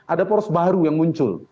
ada poros baru yang muncul